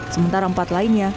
sementara empat lainnya